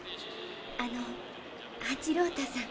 あの八郎太さん。